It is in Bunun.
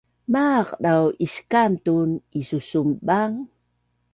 Maaq dau iskaan tun isusunbang?